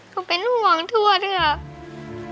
ผมเป็นห่วงทวดค่ะ